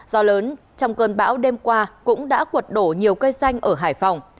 do lớn trong cơn bão đêm qua cũng đã cuột đổ nhiều cây xanh ở hải phòng